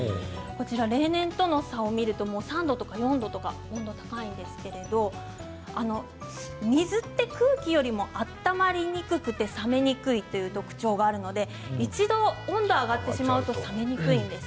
例年との差を見ると３度とか４度とか５度高いんですけれど水は空気よりも温まりにくく冷めにくいという特徴があるので一度、温度が上がってしまうと冷めにくいんです。